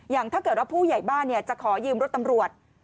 ถ้าเกิดว่าผู้ใหญ่บ้านจะขอยืมรถตำรวจ